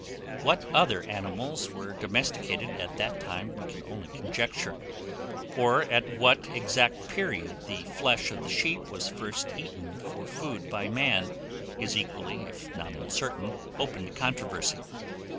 What other animals were domesticated at that time we can only conjecture, or at what exact period the flesh of the sheep was first eaten for food by man, is equally, if not uncertain, open to controversy.